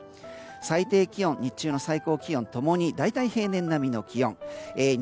最低気温、日中の最高気温共に大体平年と同じくらい。